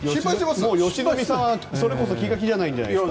良純さんは、それこそ気が気じゃないんじゃないですか。